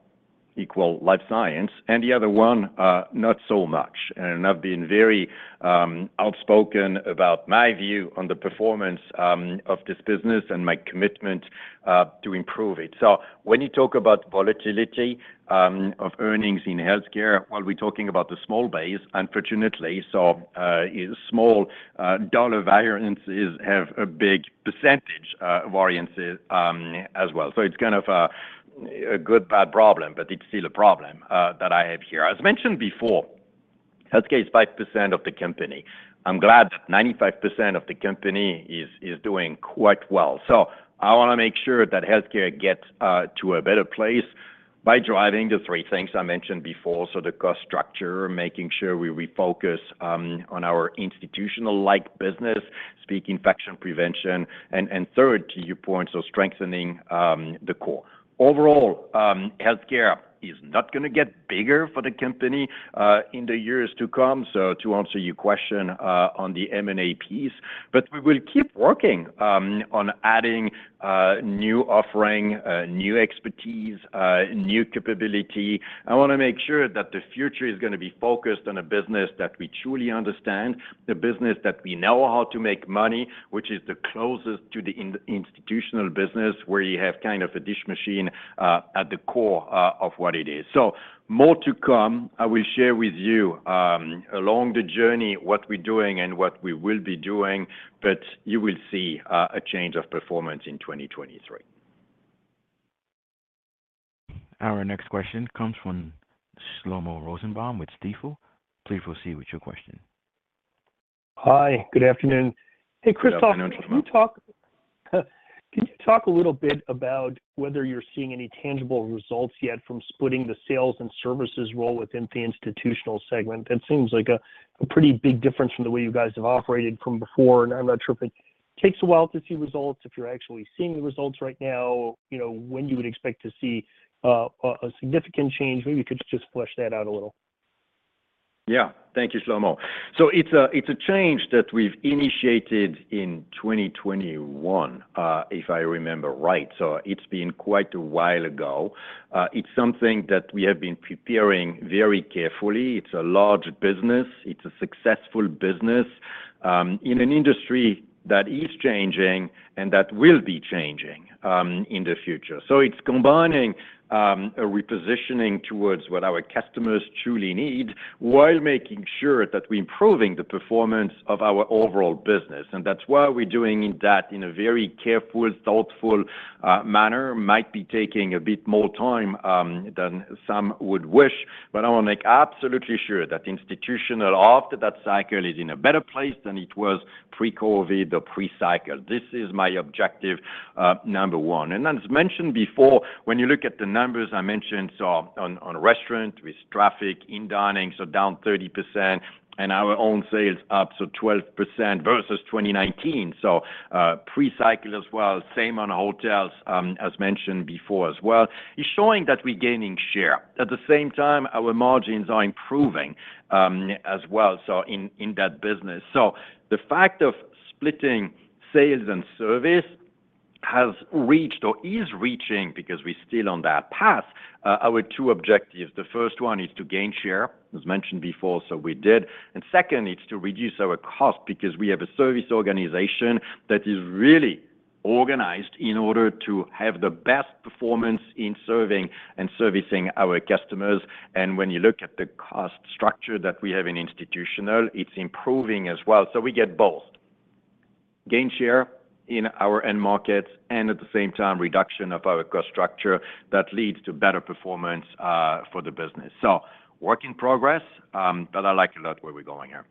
Ecolab Life Science, the other one not so much. I've been very outspoken about my view on the performance of this business and my commitment to improve it. When you talk about volatility of earnings in healthcare, well we're talking about the small base, unfortunately. Small dollar variances have a big % of variances as well. It's kind of a good/bad problem, but it's still a problem that I have here. As mentioned before, healthcare is 5% of the company. I'm glad 95% of the company is doing quite well. I wanna make sure that healthcare gets to a better place by driving the three things I mentioned before. The cost structure, making sure we refocus on our institutional-like business, speak infection prevention, and third, to your point, strengthening the core. Overall, healthcare is not gonna get bigger for the company in the years to come, to answer your question on the M&A piece. We will keep working on adding new offering, new expertise, new capability. I wanna make sure that the future is gonna be focused on a business that we truly understand, the business that we know how to make money, which is the closest to the in-institutional business, where you have kind of a dish machine at the core of what it is. More to come. I will share with you, along the journey what we're doing and what we will be doing, but you will see, a change of performance in 2023. Our next question comes from Shlomo Rosenbaum with Stifel. Please proceed with your question. Hi, good afternoon. Good afternoon, Shlomo. Hey, Christophe, can you talk a little bit about whether you're seeing any tangible results yet from splitting the sales and services role within the institutional segment? That seems like a pretty big difference from the way you guys have operated from before. I'm not sure if it takes a while to see results, if you're actually seeing the results right now, you know, when you would expect to see a significant change. Maybe you could just flesh that out a little. Yeah. Thank you, Shlomo. It's a, it's a change that we've initiated in 2021, if I remember right. It's been quite a while ago. It's something that we have been preparing very carefully. It's a large business. It's a successful business, in an industry that is changing and that will be changing in the future. It's combining a repositioning towards what our customers truly need while making sure that we're improving the performance of our overall business, and that's why we're doing that in a very careful, thoughtful, manner. Might be taking a bit more time than some would wish, but I wanna make absolutely sure that the institutional after that cycle is in a better place than it was pre-COVID or pre-cycle. This is my objective, number 1. As mentioned before, when you look at the numbers I mentioned, on restaurant with traffic, in dining, so down 30% and our own sales up, so 12% versus 2019. Pre-cycle as well. Same on hotels, as mentioned before as well. It's showing that we're gaining share. At the same time, our margins are improving as well, in that business. The fact of splitting sales and service has reached or is reaching, because we're still on that path, our two objectives. The first one is to gain share, as mentioned before, so we did. Second is to reduce our cost because we have a service organization that is really organized in order to have the best performance in serving and servicing our customers. When you look at the cost structure that we have in institutional, it's improving as well. We get both: gain share in our end markets and at the same time reduction of our cost structure that leads to better performance for the business. Work in progress, but I like a lot where we're going here.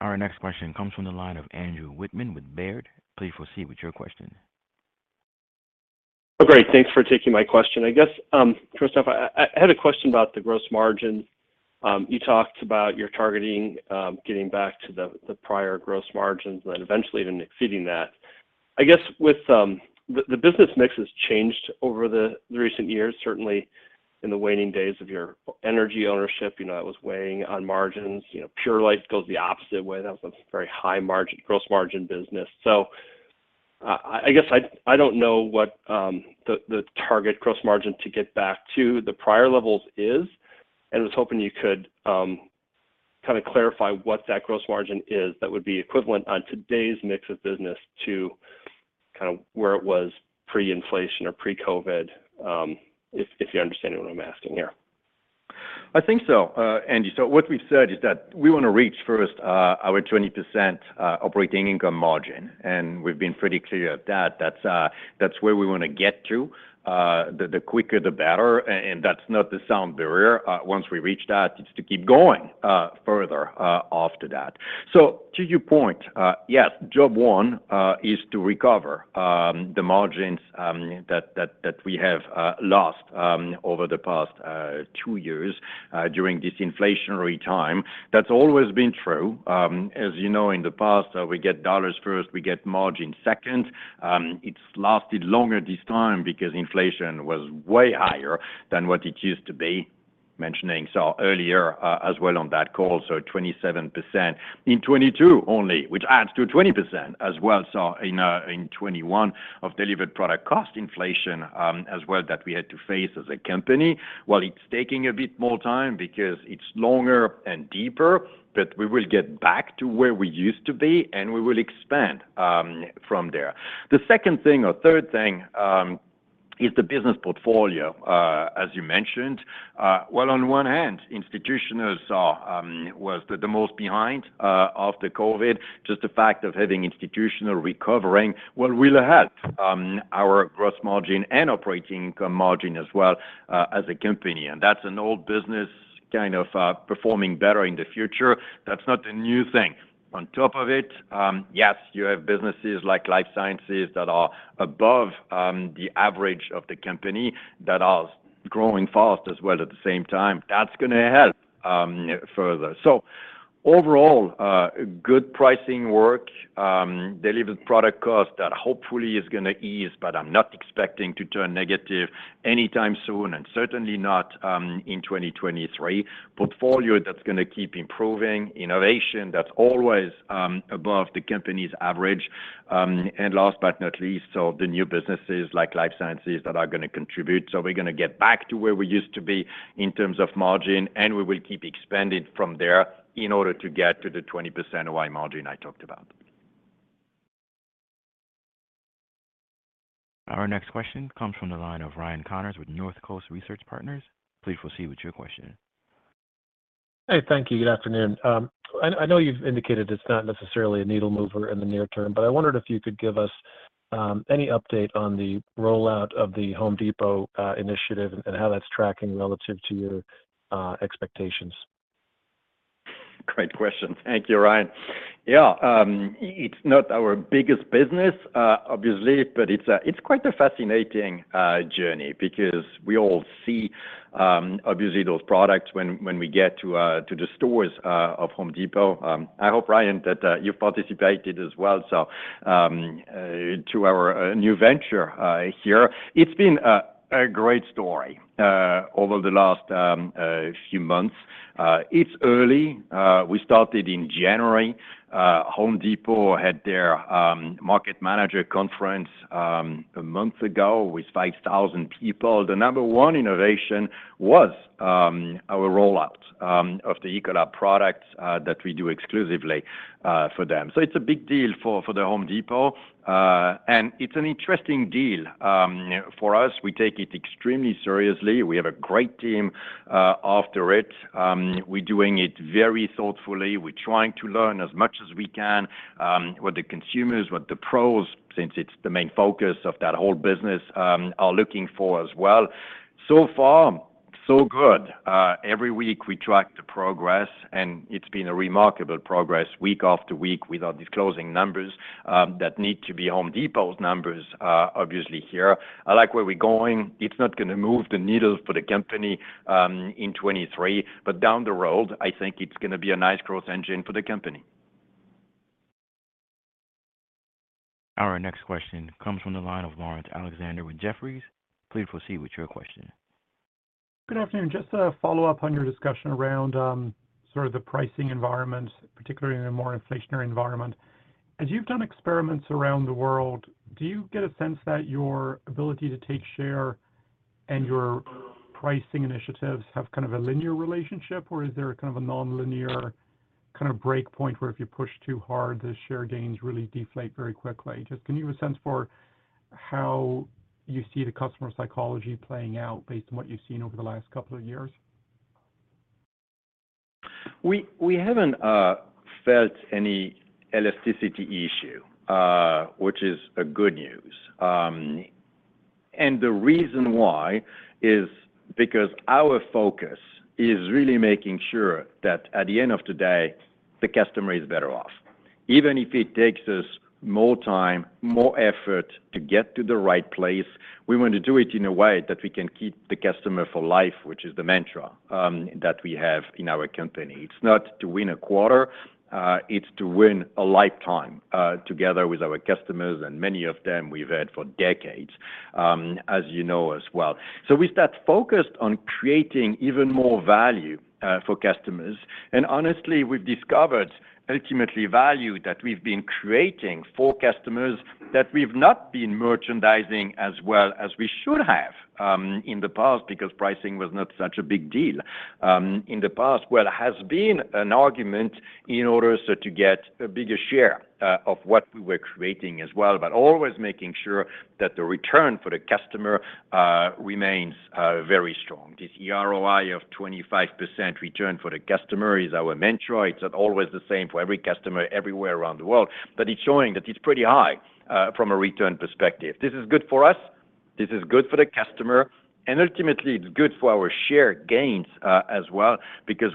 Our next question comes from the line of Andrew Wittmann with Baird. Please proceed with your question. Great. Thanks for taking my question. I guess, Christophe, I had a question about the gross margin. You talked about you're targeting, getting back to the prior gross margins and eventually even exceeding that. I guess with, the business mix has changed over the recent years, certainly in the waning days of your energy ownership. You know, Purolite goes the opposite way. That was a very high margin, gross margin business. I guess I don't know what the target gross margin to get back to the prior levels is and was hoping you could kind of clarify what that gross margin is that would be equivalent on today's mix of business to kind of where it was pre-inflation or pre-COVID, if you understand what I'm asking here? I think so, Andy. What we said is that we wanna reach first, our 20% operating income margin, and we've been pretty clear of that. That's, that's where we wanna get to. The quicker the better, and that's not the sound barrier. Once we reach that, it's to keep going further after that. To your point, yes, job one is to recover the margins that we have lost over the past two years during this inflationary time. That's always been true. As you know, in the past, we get dollars first, we get margin second. It's lasted longer this time because inflation was way higher than what it used to be mentioning so earlier as well on that call. 27% in 2022 only, which adds to 20% as well, in 2021 of delivered product cost inflation, as well that we had to face as a company. While it's taking a bit more time because it's longer and deeper, but we will get back to where we used to be, and we will expand from there. The second thing or third thing is the business portfolio, as you mentioned. While on one hand, institutionals are was the most behind after COVID, just the fact of having institutional recovering will help our gross margin and operating income margin as well, as a company. That's an old business kind of performing better in the future. That's not a new thing. On top of it, yes, you have businesses like Life Sciences that are above the average of the company that are growing fast as well at the same time. That's gonna help further. Overall, good pricing work, delivered product cost that hopefully is gonna ease, but I'm not expecting to turn negative anytime soon, and certainly not in 2023. Portfolio that's gonna keep improving. Innovation that's always above the company's average. Last but not least, so the new businesses like Life Sciences that are gonna contribute. We're gonna get back to where we used to be in terms of margin, and we will keep expanding from there in order to get to the 20% ROI margin I talked about. Our next question comes from the line of Ryan Connors with Northcoast Research. Please proceed with your question. Thank you. Good afternoon. I know you've indicated it's not necessarily a needle mover in the near term, but I wondered if you could give us any update on the rollout of The Home Depot initiative and how that's tracking relative to your expectations. Great question. Thank you, Ryan. Yeah, it's not our biggest business, obviously, but it's quite a fascinating journey because we all see, obviously those products when we get to the stores of Home Depot. I hope, Ryan, that you participated as well. To our new venture here, it's been a great story over the last few months. It's early. We started in January. Home Depot had their market manager conference a month ago with 5,000 people. The number one innovation was our rollout of the Ecolab products that we do exclusively for them. It's a big deal for the Home Depot, and it's an interesting deal for us. We take it extremely seriously. We have a great team, after it. We're doing it very thoughtfully. We're trying to learn as much as we can, what the consumers, what the pros, since it's the main focus of that whole business, are looking for as well. Far, so good. Every week we track the progress, and it's been a remarkable progress week after week without disclosing numbers, that need to be Home Depot's numbers, obviously here. I like where we're going. It's not gonna move the needle for the company, in 2023. Down the road, I think it's gonna be a nice growth engine for the company. Our next question comes from the line of Laurence Alexander with Jefferies. Please proceed with your question. Good afternoon. Just to follow up on your discussion around, sort of the pricing environment, particularly in a more inflationary environment. As you've done experiments around the world, do you get a sense that your ability to take share and your pricing initiatives have kind of a linear relationship, or is there kind of a nonlinear kind of break point where if you push too hard, the share gains really deflate very quickly? Just give me a sense for how you see the customer psychology playing out based on what you've seen over the last couple of years. We haven't felt any elasticity issue, which is a good news. The reason why is because our focus is really making sure that at the end of the day, the customer is better off. Even if it takes us more time, more effort to get to the right place, we want to do it in a way that we can keep the customer for life, which is the mantra that we have in our company. It's not to win a quarter, it's to win a lifetime together with our customers, and many of them we've had for decades, as you know as well. We start focused on creating even more value for customers. Honestly, we've discovered ultimately value that we've been creating for customers that we've not been merchandising as well as we should have in the past because pricing was not such a big deal in the past. It has been an argument in order so to get a bigger share of what we were creating as well, but always making sure that the return for the customer remains very strong. This ROI of 25% return for the customer is our mantra. It's not always the same for every customer everywhere around the world, but it's showing that it's pretty high from a return perspective. This is good for us, this is good for the customer, and ultimately it's good for our share gains as well.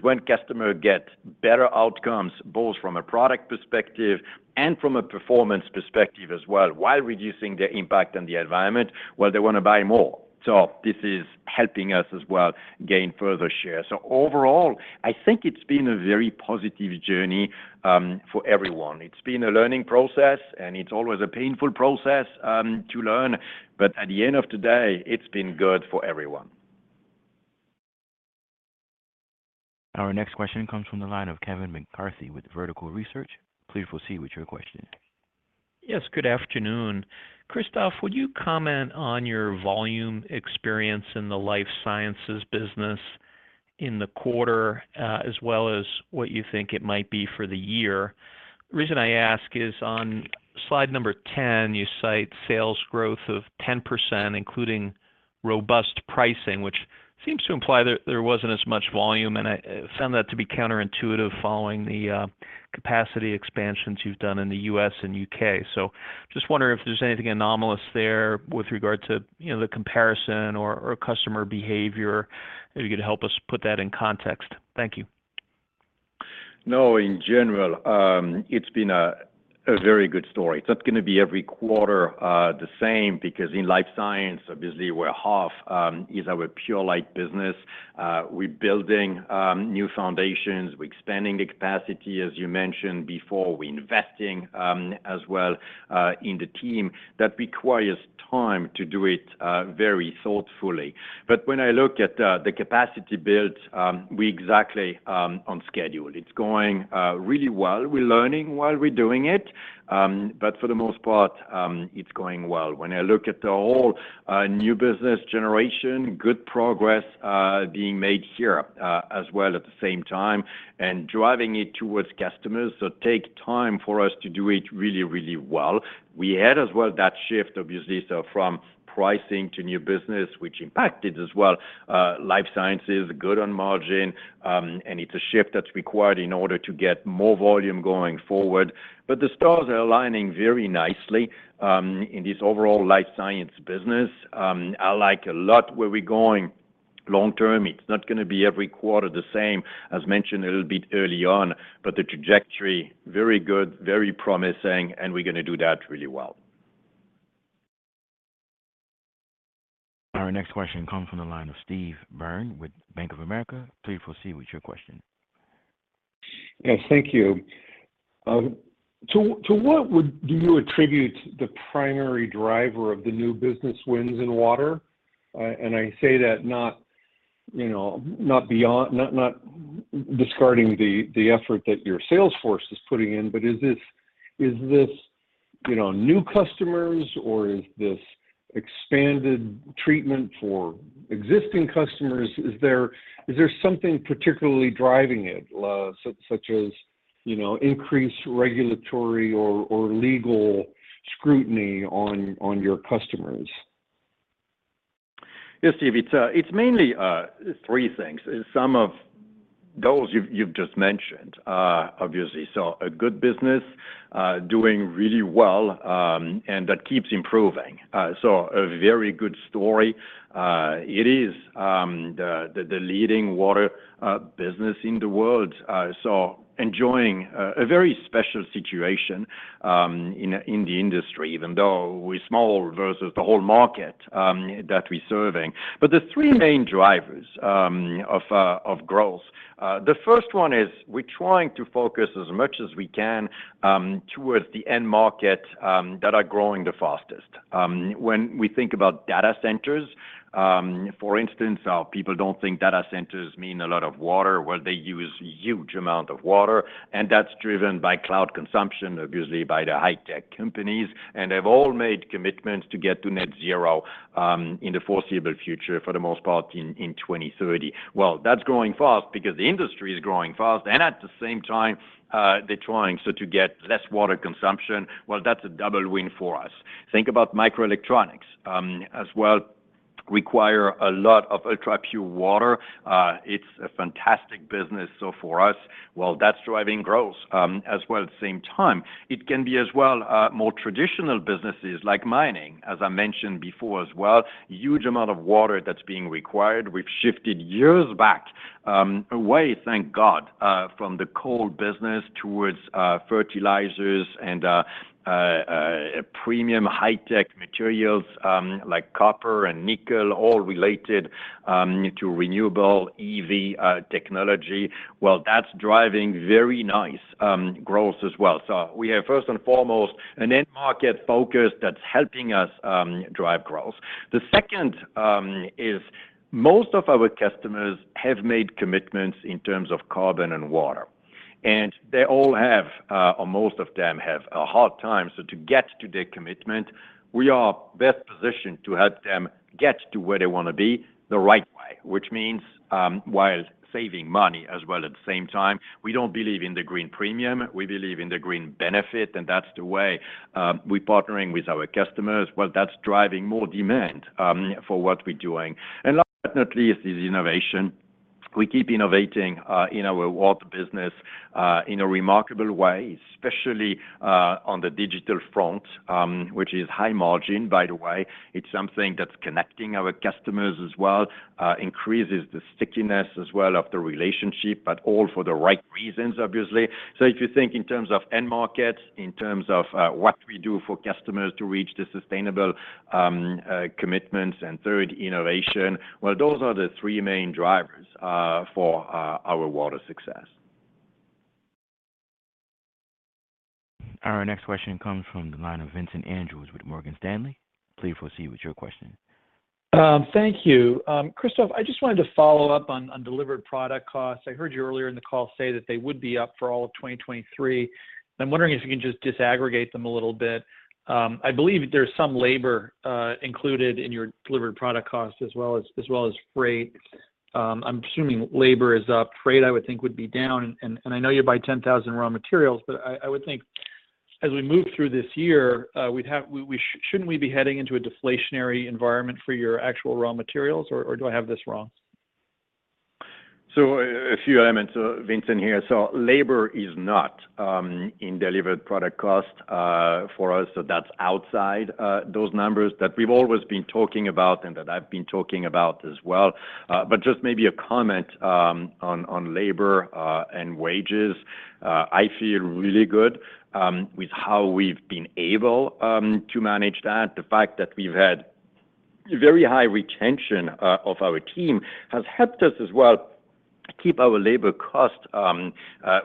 When customers get better outcomes, both from a product perspective and from a performance perspective as well while reducing their impact on the environment, well, they want to buy more. This is helping us as well gain further share. Overall, I think it's been a very positive journey for everyone. It's been a learning process, and it's always a painful process to learn. At the end of the day, it's been good for everyone. Our next question comes from the line of Kevin McCarthy with Vertical Research. Please proceed with your question. Yes. Good afternoon. Christophe, would you comment on your volume experience in the life sciences business in the quarter, as well as what you think it might be for the year? The reason I ask is on slide number 10, you cite sales growth of 10%, including robust pricing, which seems to imply there wasn't as much volume, and I found that to be counterintuitive following the capacity expansions you've done in the U.S. and U.K. Just wondering if there's anything anomalous there with regard to, you know, the comparison or customer behavior, if you could help us put that in context. Thank you. No, in general, it's been a very good story. It's not gonna be every quarter the same because in life science, obviously we're half is our Purolite business. We're building new foundations. We're expanding the capacity as you mentioned before. We're investing as well in the team. That requires time to do it very thoughtfully. When I look at the capacity built, we exactly on schedule. It's going really well. We're learning while we're doing it, but for the most part, it's going well. When I look at the whole new business generation, good progress being made here as well at the same time and driving it towards customers. Take time for us to do it really, really well. We had as well that shift obviously, so from pricing to new business, which impacted as well, life sciences, good on margin, and it's a shift that's required in order to get more volume going forward. The stars are aligning very nicely in this overall life science business. I like a lot where we're going long term. It's not gonna be every quarter the same as mentioned a little bit early on, but the trajectory very good, very promising, and we're gonna do that really well. Our next question comes from the line of Steve Byrne with Bank of America. Please proceed with your question. Yes. Thank you. To what do you attribute the primary driver of the new business wins in water? And I say that not, you know, not discarding the effort that your sales force is putting in, but is this, you know, new customers or is this expanded treatment for existing customers? Is there something particularly driving it, such as, you know, increased regulatory or legal scrutiny on your customers? Yes, Steve. It's mainly 3 things, and some of those you've just mentioned, obviously. A good business doing really well, and that keeps improving. A very good story. It is the leading water business in the world. Enjoying a very special situation in the industry even though we're small versus the whole market that we're serving. The 3 main drivers of growth. The first one is we're trying to focus as much as we can towards the end market that are growing the fastest. When we think about data centers, for instance, people don't think data centers mean a lot of water. They use huge amount of water, and that's driven by cloud consumption, obviously by the high-tech companies. They've all made commitments to get to net zero in the foreseeable future for the most part in 2030. That's growing fast because the industry is growing fast. At the same time, they're trying so to get less water consumption. That's a double win for us. Think about microelectronics as well. Require a lot of ultra-pure water, it's a fantastic business. For us, while that's driving growth as well at the same time, it can be as well, more traditional businesses like mining, as I mentioned before as well, huge amount of water that's being required. We've shifted years back, away, thank God, from the coal business towards fertilizers and premium high-tech materials, like copper and nickel, all related to renewable EV technology. Well, that's driving very nice growth as well. We have first and foremost an end market focus that's helping us drive growth. The second is most of our customers have made commitments in terms of carbon and water, and they all have, or most of them have a hard time. To get to their commitment, we are best positioned to help them get to where they want to be the right way, which means while saving money as well at the same time. We don't believe in the green premium. We believe in the green benefit. That's the way we're partnering with our customers. Well, that's driving more demand for what we're doing. Last but not least is innovation. We keep innovating in our water business in a remarkable way, especially on the digital front, which is high margin, by the way. It's something that's connecting our customers as well, increases the stickiness as well of the relationship, but all for the right reasons, obviously. If you think in terms of end markets, in terms of what we do for customers to reach the sustainable commitments and third, innovation, well, those are the three main drivers for our water success. Our next question comes from the line of Vincent Andrews with Morgan Stanley. Please proceed with your question. Thank you. Christophe, I just wanted to follow up on Delivered Product Costs. I heard you earlier in the call say that they would be up for all of 2023, and I'm wondering if you can just disaggregate them a little bit. I believe there's some labor included in your Delivered Product Cost as well as freight. I'm assuming labor is up. Freight, I would think would be down, and I know you buy 10,000 raw materials, but I would think as we move through this year, shouldn't we be heading into a deflationary environment for your actual raw materials, or do I have this wrong? A few elements, Vincent, here. Labor is not in delivered product cost for us, so that's outside those numbers that we've always been talking about and that I've been talking about as well. Just maybe a comment on labor and wages. I feel really good with how we've been able to manage that. The fact that we've had very high retention of our team has helped us as well keep our labor cost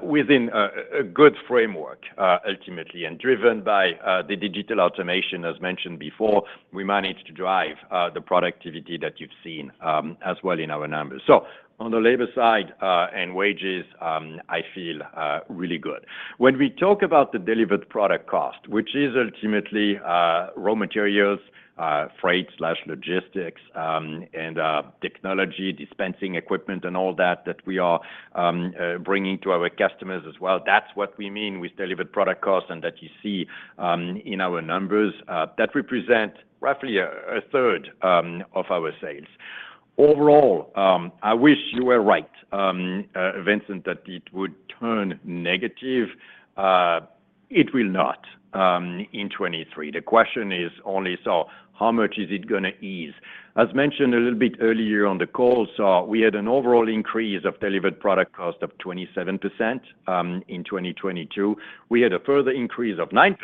within a good framework ultimately. Driven by the digital automation, as mentioned before, we managed to drive the productivity that you've seen as well in our numbers. On the labor side and wages, I feel really good. When we talk about the delivered product cost, which is ultimately, raw materials, freight/logistics, and technology, dispensing equipment and all that we are bringing to our customers as well, that's what we mean with delivered product costs and that you see in our numbers that represent roughly a third of our sales. Overall, I wish you were right, Vincent, that it would turn negative. It will not in 2023. The question is only, how much is it gonna ease? As mentioned a little bit earlier on the call, we had an overall increase of delivered product cost of 27% in 2022. We had a further increase of 9%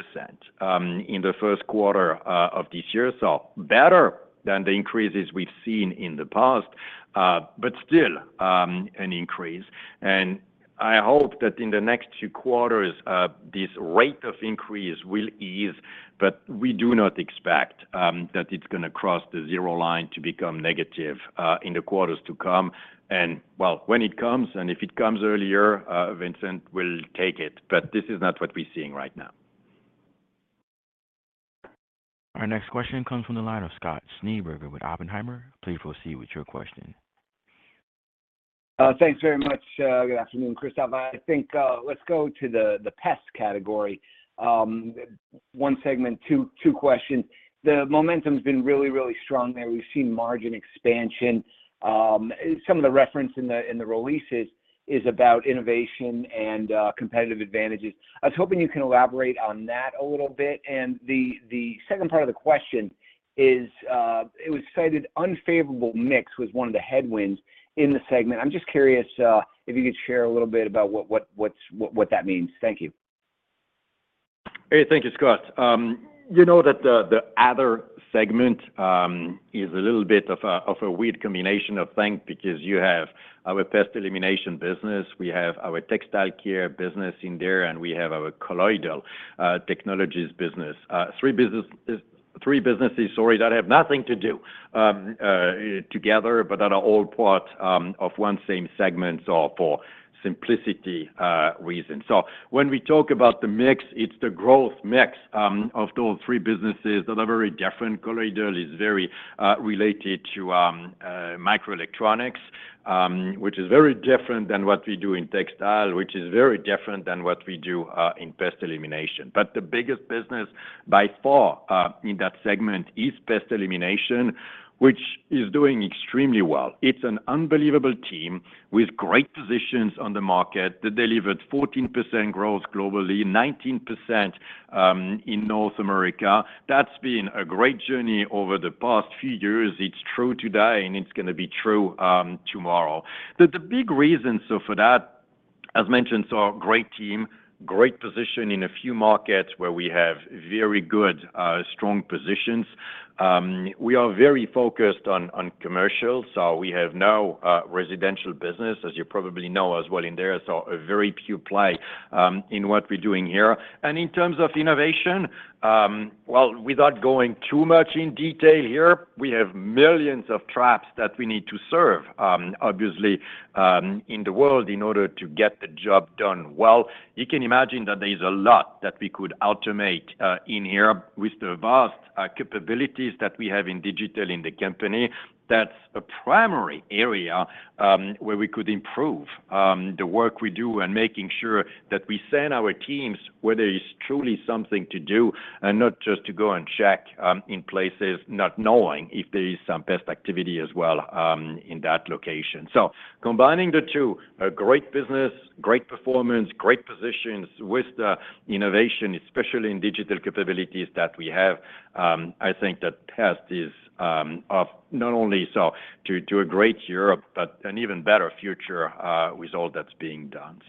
in the 1st quarter of this year, so better than the increases we've seen in the past, but still an increase. I hope that in the next 2 quarters, this rate of increase will ease. We do not expect that it's gonna cross the 0 line to become negative in the quarters to come. Well, when it comes, and if it comes earlier, Vincent, we'll take it, but this is not what we're seeing right now. Our next question comes from the line of Scott Schneeberger with Oppenheimer. Please proceed with your question. Thanks very much. Good afternoon, Christophe. I think, let's go to the pest category. 1 segment, 2 questions. The momentum's been really, really strong there. We've seen margin expansion. Some of the reference in the releases is about innovation and competitive advantages. I was hoping you can elaborate on that a little bit. The second part of the question is, it was cited unfavorable mix was one of the headwinds in the segment. I'm just curious, if you could share a little bit about what that means. Thank you. Hey, thank you, Scott. You know that the other segment is a little bit of a weird combination of things because you have our pest elimination business, we have our textile care business in there, and we have our Colloidal Technologies business. Three businesses, sorry, that have nothing to do together, but that are all part of one same segment, for simplicity reasons. When we talk about the mix, it's the growth mix of those three businesses that are very different. Colloidal is very related to microelectronics. Which is very different than what we do in textile, which is very different than what we do in pest elimination. The biggest business by far in that segment is pest elimination, which is doing extremely well. It's an unbelievable team with great positions on the market. They delivered 14% growth globally, 19% in North America. That's been a great journey over the past few years. It's true today. It's gonna be true tomorrow. The big reason for that, as mentioned, great team, great position in a few markets where we have very good strong positions. We are very focused on commercial, so we have no residential business, as you probably know as well in there. A very pure play in what we're doing here. In terms of innovation, well, without going too much in detail here, we have millions of traps that we need to serve, obviously, in the world in order to get the job done well. You can imagine that there's a lot that we could automate in here with the vast capabilities that we have in digital in the company. That's a primary area where we could improve the work we do and making sure that we send our teams where there is truly something to do and not just to go and check in places not knowing if there is some pest activity as well in that location. Combining the two, a great business, great performance, great positions with the innovation, especially in digital capabilities that we have, I think the test is of not only a great year, but an even better future result that's being done.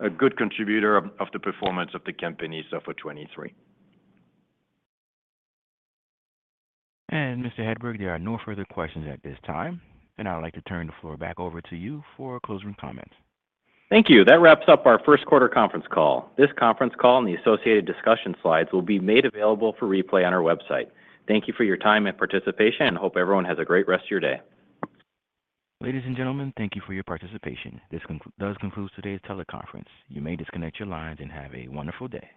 A good contributor of the performance of the company, so for 2023. Mr. Hedberg, there are no further questions at this time, and I would like to turn the floor back over to you for closing comments. Thank you. That wraps up our first quarter conference call. This conference call and the associated discussion slides will be made available for replay on our website. Thank you for your time and participation, and hope everyone has a great rest of your day. Ladies and gentlemen, thank you for your participation. This does conclude today's teleconference. You may disconnect your lines and have a wonderful day.